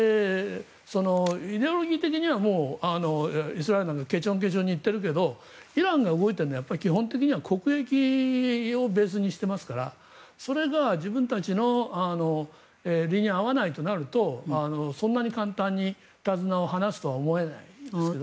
イデオロギー的にはもうイスラエルなんかケチョンケチョンに言ってるけどイランが動いているのは基本的に国益をベースにしてますからそれが自分たちの利に合わないとなるとそんなに簡単に手綱を離すとは思えないですけどね。